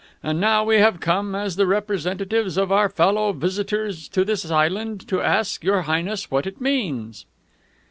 And now we have come, as the representatives of our fellow visitors to this island, to ask Your Highness what it means!"